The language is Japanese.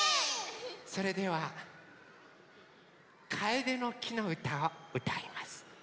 それでは「カエデの木のうた」をうたいます。